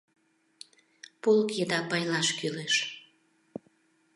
Полк еда пайлаш кӱлеш.